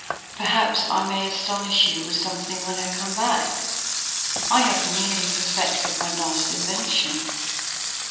"Perhaps I may astonish you with something when you come back. I have nearly perfected my latest invention."